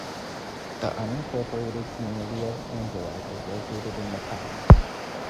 The unincorporated community of Angelo is located in the town.